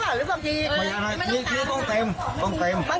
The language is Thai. แต่ซองเหมือนกันหมดเลยสิฟ้าเหมือนกันหมดเลยสัง